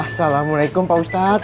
assalamualaikum pak ustadz